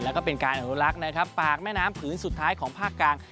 แล้วก็เป็นการอนุรักษ์นะครับปากแม่น้ำผืนสุดท้ายของภาคกลาง